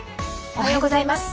おはようございます。